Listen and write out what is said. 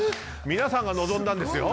皆さんが望んだんですよ。